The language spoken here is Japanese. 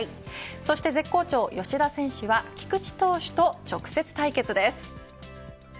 そして絶好調、吉田選手は菊池投手と直接対決です。